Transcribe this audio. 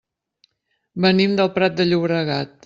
Venim del Prat de Llobregat.